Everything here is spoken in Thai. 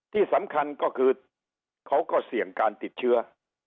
ที่สำคัญก็คือเขาก็เสี่ยงการติดเชื้อ